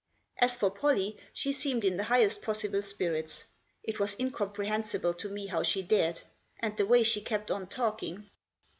As for Pollie, she seemed in the highest possible spirits. It was incomprehensible to me how she dared. And the way she kept on talking